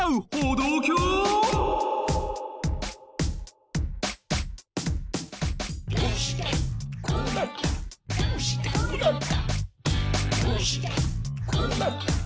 どうしてこうなった？」